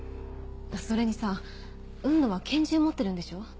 それにさ雲野は拳銃持ってるんでしょ？